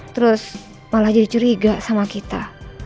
terus malah jadi curiga sama kita